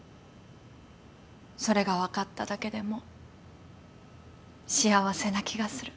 それが分かっただけでも幸せな気がする。